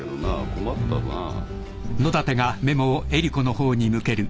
困ったなぁ。